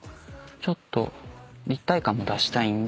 ちょっと立体感も出したいんで。